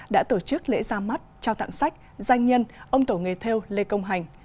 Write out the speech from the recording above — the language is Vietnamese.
đã tổ chức lễ ra mắt trao tặng sách danh nhân ông tổ nghề theo lê công hành